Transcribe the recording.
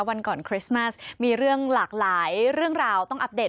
วันก่อนคริสต์มัสมีเรื่องหลากหลายเรื่องราวต้องอัปเดต